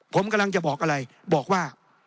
ผมกำลังจะบอกอะไรบอกว่า